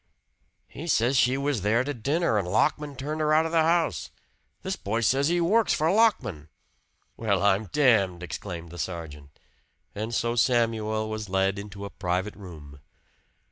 "He says she was there to dinner and Lockman turned her out of the house. This boy says he works for Lockman." "Well, I'm damned!" exclaimed the sergeant. And so Samuel was led into a private room.